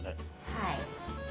はい。